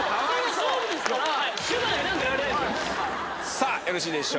さあよろしいでしょうか。